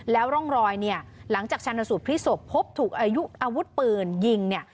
แล้วร่องรอยเนี่ยหลังจากชาญสูตรพลิกศพพบถูกอายุอาวุธปืนยิงเนี่ย